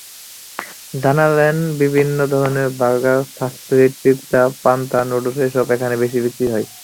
জানালেন, বিভিন্ন ধরনের বার্গার, সাসলিক, পিৎজা, পাস্তা, নুডলস—এসবই এখানে বেশি বিক্রি হয়।